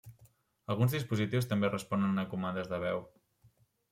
Alguns dispositius també responen a comandes de veu.